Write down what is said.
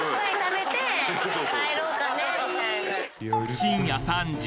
深夜３時。